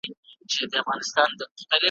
سترګي چي مي پټي سي مالِک د تاج محل یمه ,